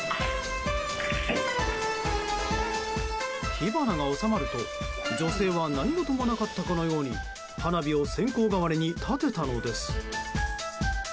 火花が収まると女性は何事もなかったかのように花火を線香代わりに立てたのです。